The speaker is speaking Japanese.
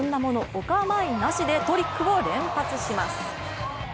お構いなしでトリックを連発します。